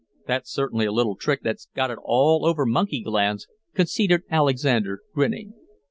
"That's certainly a little trick that's got it all over monkey glands," conceded Alexander, grinning.